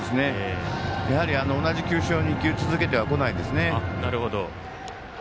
やはり、同じ球種を２球、続けてはこないですね。